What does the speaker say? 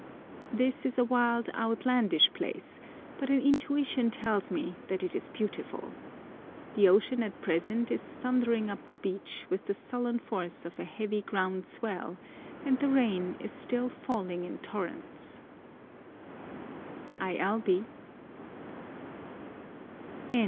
This is a wild, outlandish place, but an intuition tells me that it is beautiful. The ocean at present is thundering up the beach with the sullen force of a heavy ground swell, and the rain is still falling in torrents. I. L.